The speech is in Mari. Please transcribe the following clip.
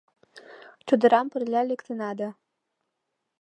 Чодырам пырля лектына да